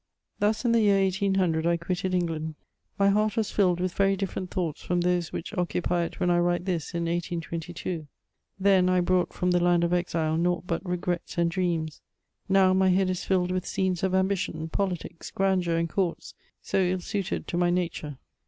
CHATEAUBRIAND. 445 Thus, in the year 1800, I quitted England; my heart was filled with very different thoughts from those whicn occupy it when I write this, in 1822. Then, I brought from the land of exile nought but regrets and dreams; now, my head is filled with scenes of ambition, politics, grandeur, and courts, so ill suited to my nature.